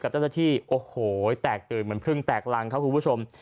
กับเจ้าเทศที่โอ้โหแตกโดยเหมือนพึ่งแตกรั้งครับผู้ผู้ชม